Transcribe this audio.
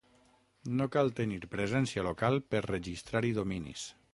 No cal tenir presència local per registrar-hi dominis.